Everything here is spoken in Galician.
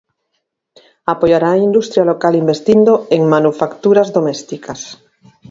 Apoiará a industria local investindo en manufacturas domésticas.